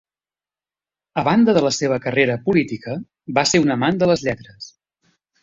A banda de la seva carrera política, va ser un amant de les lletres.